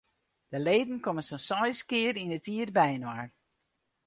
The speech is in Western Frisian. De leden komme sa'n seis kear yn it jier byinoar.